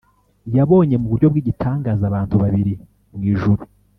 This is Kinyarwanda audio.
, yabonye mu buryo bw’igitangaza abantu babiri mu ijuru